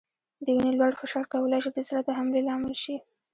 د وینې لوړ فشار کولای شي د زړه د حملې لامل شي.